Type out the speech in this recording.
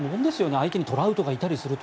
相手にトラウトがいたりすると。